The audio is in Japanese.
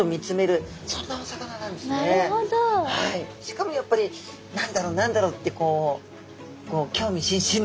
しかもやっぱり何だろう何だろうってこう興味津々な。